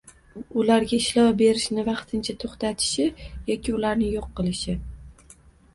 ularga ishlov berishni vaqtincha to‘xtatishi yoki ularni yo‘q qilishi;